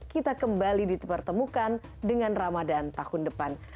kita kembali dipertemukan dengan ramadan tahun depan